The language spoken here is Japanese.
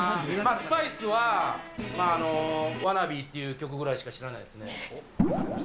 スパイスは、ワナビーっていう曲ぐらいしか知らないですね。